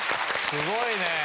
すごいね。